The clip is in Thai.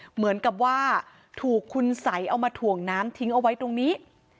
เหมือนกับว่าถูกคุณสัยเอามาถ่วงน้ำทิ้งเอาไว้ตรงนี้